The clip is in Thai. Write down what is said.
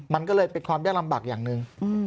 มันก็เลยเป็นความยากลำบากอย่างหนึ่ง